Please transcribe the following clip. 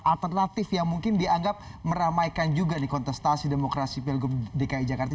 alternatif yang mungkin dianggap meramaikan juga di kontestasi demokrasi piala gubernur dki jakarta